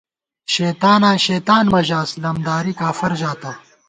شیطاناں شیطان مہ ژاس لمداری کافَر ژاتہ